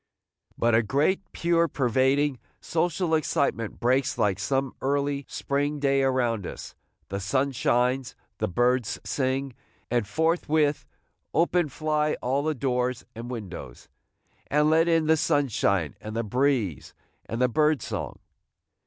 But a great, pure, pervading, social excitement breaks like some early spring day around us; the sun shines, the birds sing; and forthwith open fly all the doors and windows, and let in the sunshine and the breeze and the bird song!